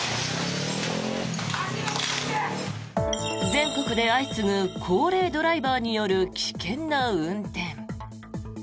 全国で相次ぐ高齢ドライバーによる危険な運転。